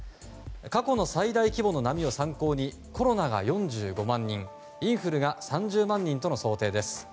過去の最大規模の波を参考にコロナが４５万人インフルが３０万人との想定です。